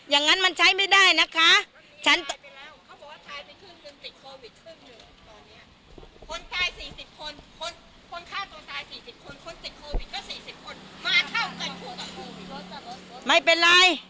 อย่างงั้นมันใช้ไม่ได้นะคะมันมีตายไปแล้วเขาบอกว่าตายไปครึ่งหนึ่งติดโควิดครึ่งหนึ่งตอนเนี้ย